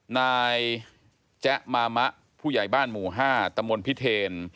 นายแจ๊มามะผู้ใหญ่บ้านหมู่๕ตมพิเทน